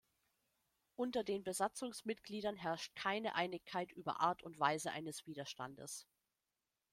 Unter den Besatzungsmitgliedern herrscht keine Einigkeit über Art und Weise eines Widerstandes.